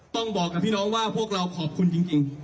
ต้องบอกกับพี่น้องว่าพวกเราขอบคุณจริง